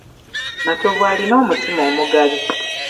Matovu alina omutima omugabi.